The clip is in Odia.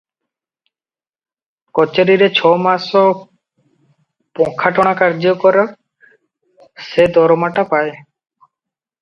କଚେରିରେ ଛ ମାସ ପଙ୍ଖା ଟଣା କାର୍ଯ୍ୟ କରେ, ସେ ଦରମାଟା ପାଏ ।